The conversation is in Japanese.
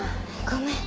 ごめん。